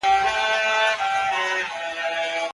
څوک پريکړه کوي؟